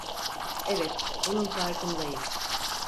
Evet, bunun farkındayım.